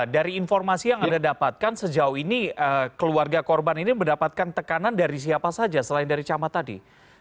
dari informasi yang anda dapatkan sejauh ini keluarga korban ini mendapatkan tekanan dari siapa saja selain dari camat tadi